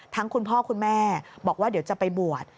คุณพ่อคุณแม่บอกว่าเดี๋ยวจะไปบวช